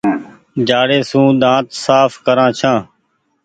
جآڙي سون ۮآنٿ ساڦ ڪرآن ڇآن ۔